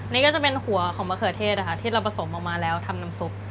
นี่ก็จะเป็นหัวของมะเขือเทศที่เราผสมออกมาแล้วทำน้ำซุป